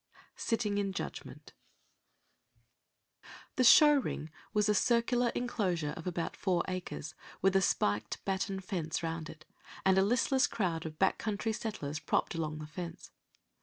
SITTING IN JUDGMENT The show ring was a circular enclosure of about four acres, with a spiked batten fence round it, and a listless crowd of back country settlers propped along the fence.